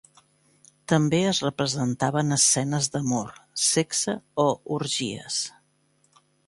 També es representaven escenes d'amor, sexe o orgies.